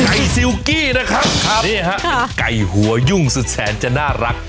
ไก่ซิลกี้นะครับนี่ฮะไก่หัวยุ่งสุดแสนจะน่ารัก